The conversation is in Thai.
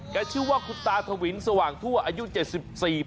ชื่อว่าคุณตาถวินสว่างทั่วอายุ๗๔ปี